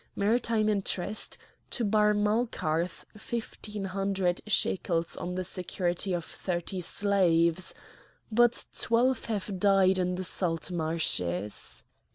maritime interest; to Bar Malkarth fifteen hundred shekels on the security of thirty slaves. But twelve have died in the salt marshes."